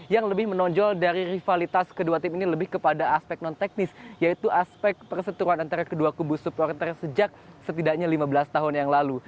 yang lebih menonjol dari rivalitas kedua tim ini lebih kepada aspek non teknis yaitu aspek perseturuan antara kedua kubu supporter sejak setidaknya lima belas tahun yang lalu